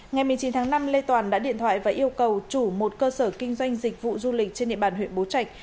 ngày một mươi chín tháng năm lê toàn đã điện thoại và yêu cầu chủ một cơ sở kinh doanh dịch vụ du lịch trên địa bàn huyện bố trạch